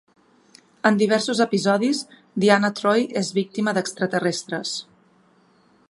En diversos episodis, Deanna Troi és víctima d'extraterrestres.